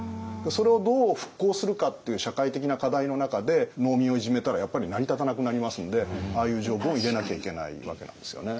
それをどう復興するかっていう社会的な課題の中で農民をいじめたらやっぱり成り立たなくなりますんでああいう条文を入れなきゃいけないわけなんですよね。